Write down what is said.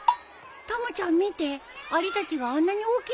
たまちゃん見てアリたちがあんなに大きなもの運んでる。